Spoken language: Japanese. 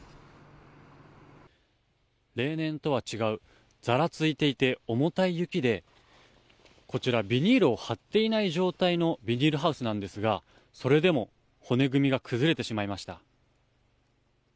例年とは違うざらついていて重たい雪でビニールを張っていない状態のビニールハウスなんですがそれでも骨組みが崩れてしまいました。